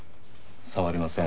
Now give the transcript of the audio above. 触りません。